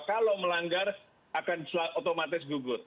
kalau melanggar akan otomatis gugur